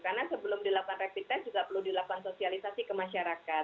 karena sebelum dilakukan rapid test juga perlu dilakukan sosialisasi ke masyarakat